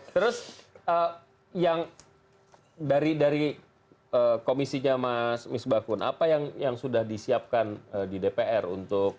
terus yang dari komisinya mas misbakun apa yang sudah disiapkan di dpr untuk